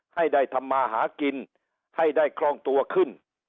ให้ได้ทำมาหากินให้ได้คล่องตัวขึ้น